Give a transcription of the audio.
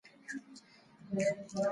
پوهه د اقتصادي پرمختګ لپاره اساس دی.